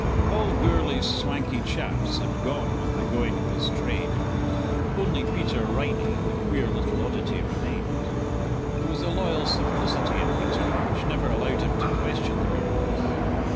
All Gourlay's swankie chaps had gone with the going of his trade; only Peter Riney, the queer little oddity, remained. There was a loyal simplicity in Peter which never allowed him to question the Gourlays.